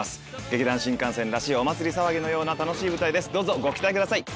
劇団☆新感線らしいお祭り騒ぎのような楽しい舞台ですどうぞご期待ください。